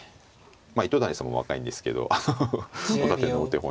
まあ糸谷さんも若いんですけどフフフフ若手のお手本になる。